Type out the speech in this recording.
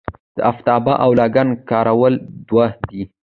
د افتابه او لګن کارول دود دی.